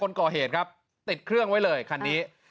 คนก่อเหตุครับติดเครื่องไว้เลยคันนี้